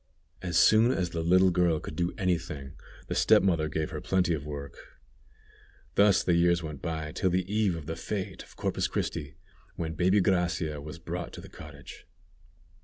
As soon as the little girl could do any thing, the step mother gave her plenty of work. Thus the years went by till the eve of the fête of Corpus Christi, when baby Gracia was brought to the cottage.